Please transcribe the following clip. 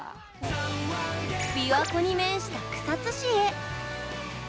琵琶湖に面した草津市へ。